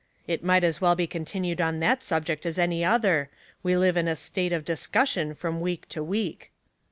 ''It might as well be contin ued on that subject as any other. We live in a state of discussion from week to week."